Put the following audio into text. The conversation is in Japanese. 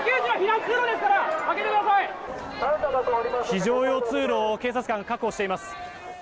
非常用通路を警察官が確保しています。